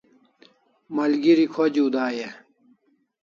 Malgeri khojiu dai e?